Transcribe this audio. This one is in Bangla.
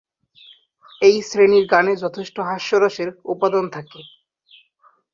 এই শ্রেণীর গানে যথেষ্ট হাস্যরসের উপাদান থাকে।